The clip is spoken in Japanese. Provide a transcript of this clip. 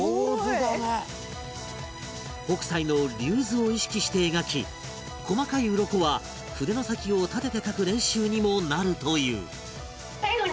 北斎の『龍図』を意識して描き細かいうろこは筆の先を立てて描く練習にもなるという